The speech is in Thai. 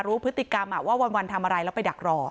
รู้พฤติกรรมว่าวันทำอะไรแล้วไปดักรอ